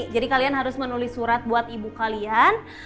jadi kalian harus menulis surat buat ibu kalian